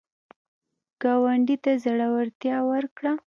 ګاونډي ته زړورتیا ورکړه